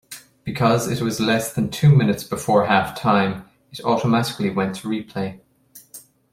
Because it was less than two minutes before halftime, it automatically went to replay.